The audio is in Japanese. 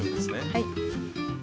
はい。